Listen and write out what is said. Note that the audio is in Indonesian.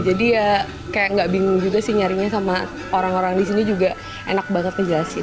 jadi ya kayak gak bingung juga sih nyarinya sama orang orang di sini juga enak banget ngejelasin